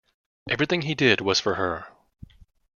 Everything he did was for her.